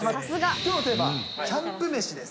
きょうのテーマ、キャンプ飯です。